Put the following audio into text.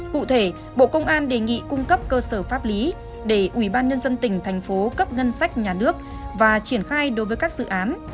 cụ thể bộ công an đề nghị cung cấp cơ sở pháp lý để ủy ban nhân dân tỉnh thành phố cấp ngân sách nhà nước và triển khai đối với các dự án